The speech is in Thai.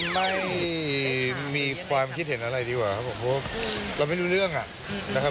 ไม่มีความคิดเห็นอะไรดีกว่าครับผมเพราะเราไม่รู้เรื่องอ่ะนะครับ